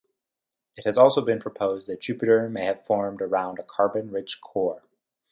It has also been proposed that Jupiter may have formed around a carbon-rich core.